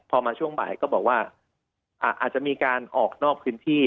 พอมาช่วงบ่ายก็บอกว่าอาจจะมีการออกนอกพื้นที่